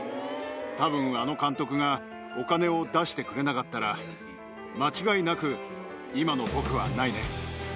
たぶん、あの監督がお金を出してくれなかったら間違いなく今の僕はないね。